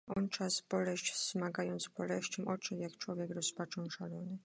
"Naonczas boleść wzmagając boleścią, Odszedł, jak człowiek rozpaczą szalony."